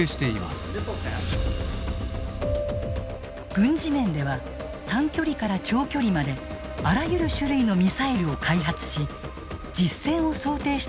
軍事面では短距離から長距離まであらゆる種類のミサイルを開発し実戦を想定した段階に突入していた。